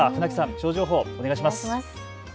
気象情報、お願いします。